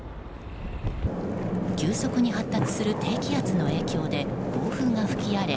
急速に発達する低気圧の影響で暴風が吹き荒れ